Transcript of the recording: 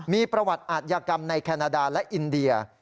มีประวัติอาทยากรรมในแคนาดาและอินเดีย